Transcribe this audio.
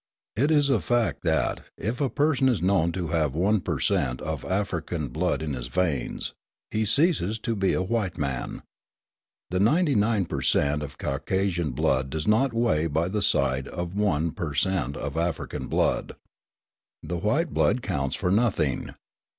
It is a fact that, if a person is known to have one per cent. of African blood in his veins, he ceases to be a white man. The ninety nine per cent. of Caucasian blood does not weigh by the side of the one per cent. of African blood. The white blood counts for nothing.